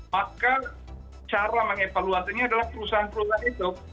maka cara mengevaluasinya adalah perusahaan perusahaan itu